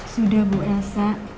sudah bu elsa